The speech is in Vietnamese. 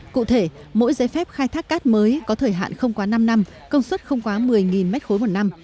cụ thể mỗi giấy phép khai thác cát mới có thời hạn không quá năm năm công suất không quá một mươi m ba một năm